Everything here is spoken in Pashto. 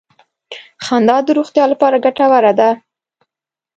• خندا د روغتیا لپاره ګټوره ده.